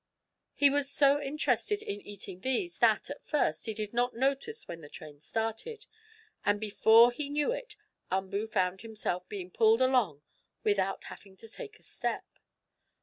He was so interested in eating these that, at first, he did not notice when the train started, and before he knew it Umboo found himself being pulled along without having to take a step.